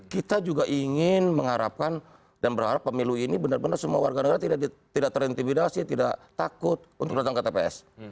kita juga ingin mengharapkan dan berharap pemilu ini benar benar semua warga negara tidak terintimidasi tidak takut untuk datang ke tps